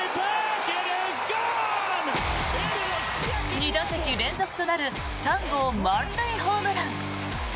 ２打席連続となる３号満塁ホームラン。